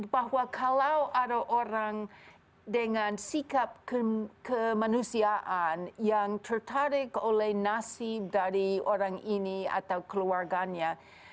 bahwa kalau ada orang dengan sikap kemanusiaan yang tertarik oleh nasib dari orang ini atau keluarganya